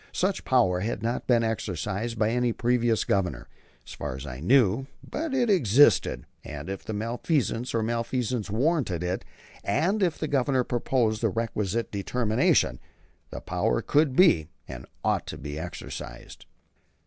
Such power had not been exercised by any previous Governor, as far as I knew; but it existed, and if the misfeasance or malfeasance warranted it, and if the Governor possessed the requisite determination, the power could be, and ought to be, exercised.